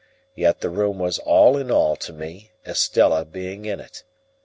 Yet the room was all in all to me, Estella being in it.